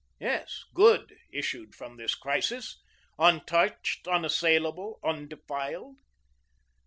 Yes, good issued from this crisis, untouched, unassailable, undefiled.